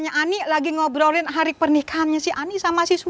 kenapa sani mene nih dikit kali